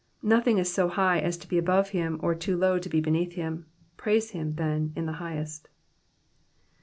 Nothing is so high as to be above him, or too low to be beneath him ; praise him, then, in the highest.